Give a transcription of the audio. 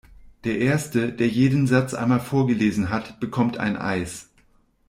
Der erste, der jeden Satz einmal vorgelesen hat, bekommt ein Eis!